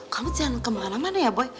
kamu jangan kemana mana ya boy